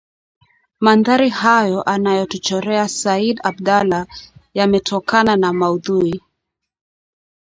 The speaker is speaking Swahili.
Mandhari hayo anayotuchorea Sayyid Abdallah yametokana na maudhui